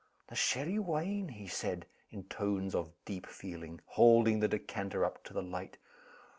"The sherry wine?" he said, in tones of deep feeling, holding the decanter up to the light.